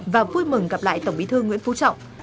và vui mừng gặp lại tổng bí thư nguyễn phú trọng